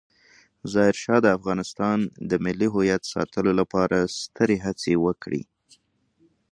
ظاهرشاه د افغانستان د ملي هویت ساتلو لپاره سترې هڅې وکړې.